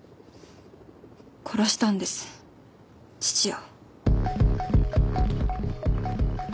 殺したんです父を。